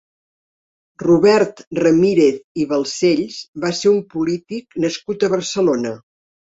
Robert Ramírez i Balcells va ser un polític nascut a Barcelona.